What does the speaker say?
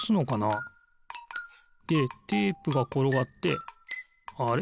でテープがころがってあれ？